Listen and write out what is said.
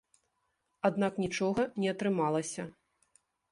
Аднак нічога не атрымалася.